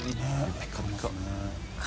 ピカピカ。